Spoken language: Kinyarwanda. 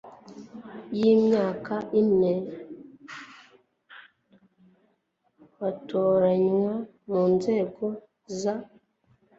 y imyaka ine Batoranywa mu nzego za